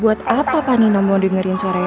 buat apa panino mau dengerin suara reina